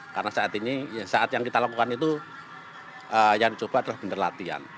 karena saat ini saat yang kita lakukan itu yang dicoba adalah benar latihan